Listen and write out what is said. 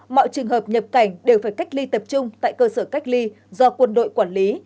mọi trường hợp nhập cảnh đều phải cách ly tập trung tại cơ sở cách ly do quân đội quản lý